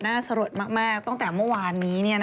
สลดมากตั้งแต่เมื่อวานนี้